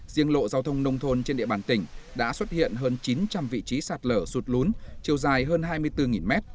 riêng lộ giao thông nông thôn trên địa bàn tỉnh đã xuất hiện hơn chín trăm linh vị trí sạt lở sụt lún chiều dài hơn hai mươi bốn m